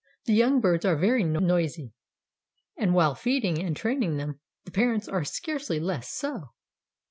The young birds are very noisy and while feeding and training them the parents are scarcely less so.